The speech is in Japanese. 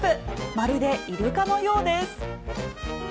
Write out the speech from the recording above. まるでイルカのようです。